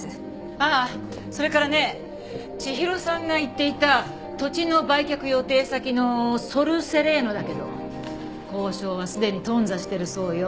ああそれからね千尋さんが言っていた土地の売却予定先のソル・セレーノだけど交渉はすでに頓挫してるそうよ。